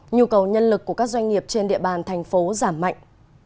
nhu cầu nhân lực của các doanh nghiệp trên địa bàn thành phố giảm mạnh